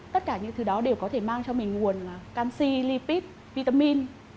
tất cả những thứ đó đều có thể mang cho mình nguồn canxi lipid vitamin